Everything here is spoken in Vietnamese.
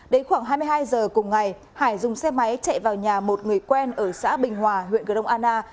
đến khoảng hai mươi hai giờ cùng ngày hải dùng xe máy chạy vào nhà một người quen ở xã bình hòa huyện cửa đông ana